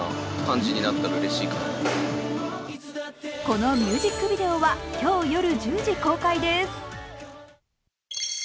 このミュージックビデオは今日夜１０時公開です。